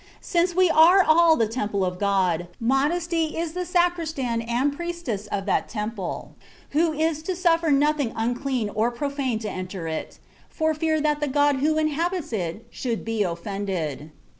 Since we are all the temple of God, modesty is the sacristan and priestess of that temple, who is to suffer nothing unclean or profane to enter it, for fear that the God who inhabits it should be offended....